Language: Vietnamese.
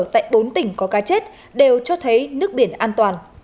tại bốn tỉnh có cá chết đều cho thấy nước biển an toàn